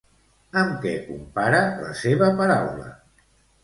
Amb què compara la seva paraula?